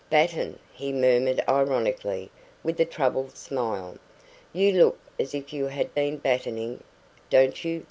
"Batten!" he murmured ironically, with a troubled smile. "You look as if you had been battening, don't you?